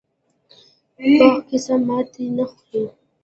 پوخ قسم ماتې نه خوري